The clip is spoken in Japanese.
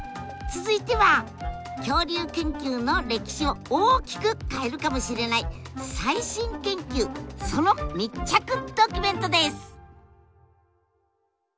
続いては恐竜研究の歴史を大きく変えるかもしれない最新研究その密着ドキュメントです！